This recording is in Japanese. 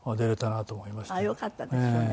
よかったですよね。